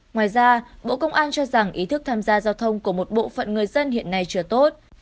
ngoài ra bộ công an cho rằng ý thức tham gia giao thông của một bộ phận người dân hiện nay chưa tốt